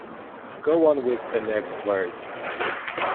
Go on with the next verse.